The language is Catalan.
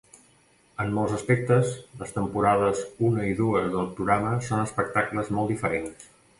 En molts aspectes, les temporades una i dues del programa són espectacles molt diferents.